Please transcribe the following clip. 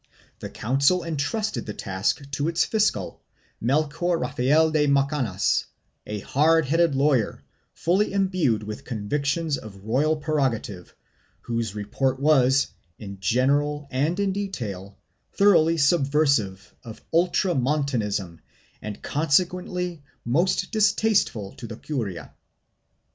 The Council entrusted the task to its fiscal, Melchor Rafael de Macanaz, a hard headed lawyer, fully imbued with convictions of royal prerogative, whose report was, in general and in detail, thoroughly subversive of Ultramontanism and consequently most distaste ful to the curia.